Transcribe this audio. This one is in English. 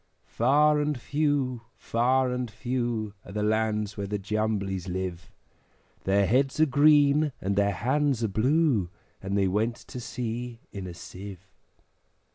Far and few, far and few, Are the lands where the Jumblies live; Their heads are green, and their hands are blue, And they went to sea in a Sieve.